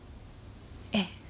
ええ。